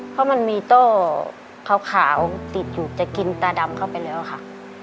เพราะมันมีโต้ขาวติดอยู่จะกินตาดำเข้าไปแล้วค่ะ